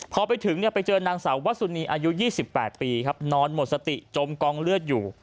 พอไปถึงไปเจอนางสาววัสสุนีอายุ๒๘ปีครับนอนหมดสติจมกองเลือดอยู่